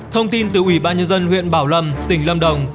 thông tin từ ủy ban nhân dân huyện bảo lâm tỉnh lâm đồng